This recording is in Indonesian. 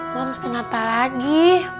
mams kenapa lagi